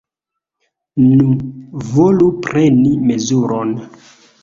Nu, volu preni mezuron.